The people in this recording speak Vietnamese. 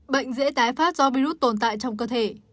bệnh dễ tái phát do virus tồn tại trong cơ thể